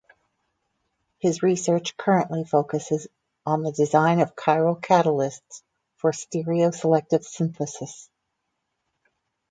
His research currently focuses on the design of chiral catalysts for stereoselective synthesis.